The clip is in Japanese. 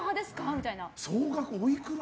みたいな。